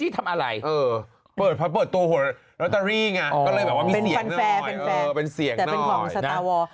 ทำอะไรเออเพราะพอเปิดตัวหัวล็อตเตอรี่ไงก็เลยแบบว่ามีเสียงหน่อยเป็นฟันแฟร์เป็นเสียงหน่อยแต่เป็นของสตาร์วอร์